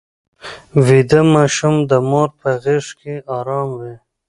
ویده ماشوم د مور په غېږ کې ارام وي